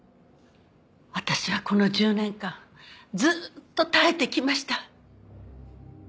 私はこの１０年間ずっと耐えてきました。